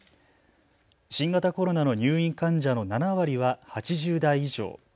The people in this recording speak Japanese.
新型コロナの入院患者の７割は８０代以上。